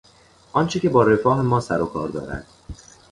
آنچه که با رفاه ما سروکار دارد